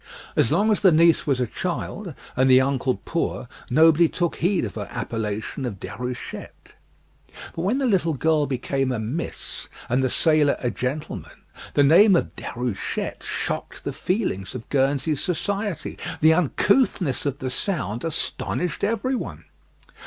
As long as the niece was a child, and the uncle poor, nobody took heed of her appellation of Déruchette; but when the little girl became a miss, and the sailor a gentleman, the name of Déruchette shocked the feelings of Guernsey society. The uncouthness of the sound astonished every one.